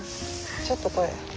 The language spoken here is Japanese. ちょっとこれ。